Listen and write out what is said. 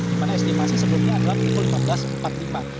di mana estimasi sebelumnya adalah pukul lima belas empat puluh lima